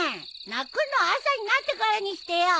鳴くのは朝になってからにしてよ！